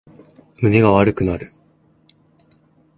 胸が悪くなる